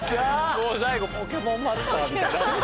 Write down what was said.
もう最後ポケモンマスターみたいな。